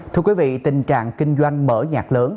thưa quý vị tình trạng kinh doanh mở nhạc lớn